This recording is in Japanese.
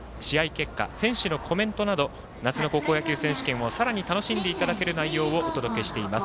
結果選手のコメントなど夏の高校野球選手権をさらに楽しんでいただける内容をお届けしています。